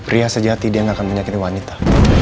ria sejati dia yang akan menyakiti wanita